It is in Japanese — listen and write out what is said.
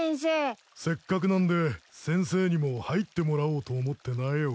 せっかくなんで先生にも入ってもらおうと思ってなよ。